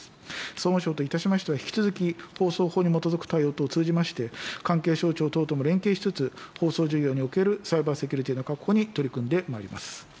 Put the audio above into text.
総務省といたしましては、引き続き放送法に基づく対応等通じまして、関係省庁等とも連携しつつ、放送事業におけるサイバーセキュリティの確保に取り組んでまいります。